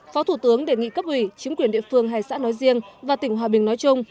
phó thủ tướng đề nghị cấp ủy chính quyền địa phương hai xã nói riêng và tỉnh hòa bình nói chung